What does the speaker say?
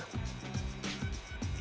terlepas dari secara sosial